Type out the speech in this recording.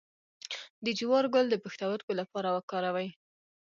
د جوار ګل د پښتورګو لپاره وکاروئ